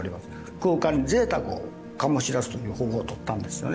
空間でぜいたくを醸し出すという方法をとったんですよね。